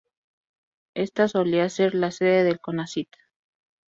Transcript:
Esta solía ser la sede del Conacyt.